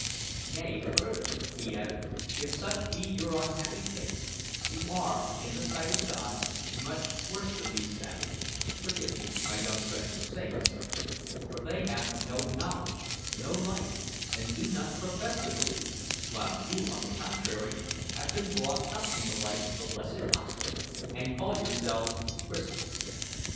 "Nay, further," he added, "if such be your unhappy case, you are, in the sight of God, much worse than these savages forgive me, my young friends, for saying so for they have no knowledge, no light, and do not profess to believe; while you, on the contrary, have been brought up in the light of the blessed Gospel and call yourselves Christians.